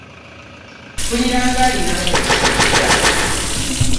Mpulira nga alinamu omusujja.